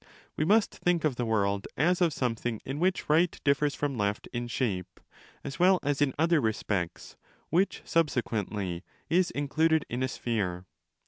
We must think of the world as of something in which right differs from left in shape as well as in other respects, which subsequently is included in a sphere.